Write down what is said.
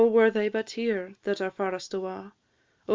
Oh, were they but here that are farest awa'!